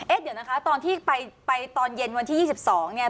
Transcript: เดี๋ยวนะคะตอนที่ไปตอนเย็นวันที่๒๒เนี่ย